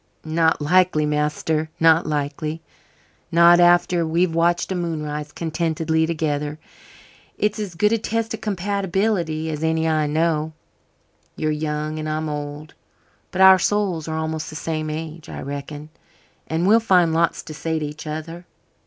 "Not likely, master not likely not after we've watched a moonrise contentedly together. It's as good a test of compatibility as any I know. You're young and I'm old, but our souls are about the same age, I reckon, and we'll find lots to say to each other.